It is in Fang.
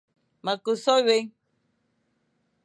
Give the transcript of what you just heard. Me ke so wé,